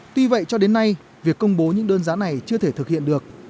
tuy vậy cho đến nay việc công bố những đơn giá này chưa thể thực hiện được